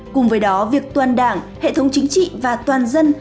cùng với đó việc toàn đảng hệ thống chính trị và toàn dân